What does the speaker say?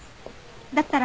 だったら。